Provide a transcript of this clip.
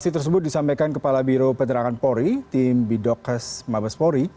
aksi tersebut disampaikan kepala biro penerangan polri tim bidokes mabespori